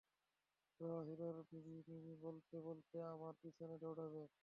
সব হিরোরা মিমি-মিমি বলতে বলতে আমার পিছনে দৌড়াবে।